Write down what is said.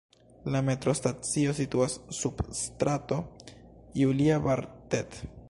La metrostacio situas sub Strato Julia-Bartet.